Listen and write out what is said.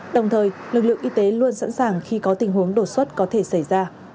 đồng thời lực lượng y tế luôn sẵn sàng khi có tình huống đột xuất có thể xảy ra